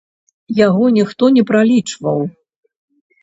Яго ніхто не пралічваў.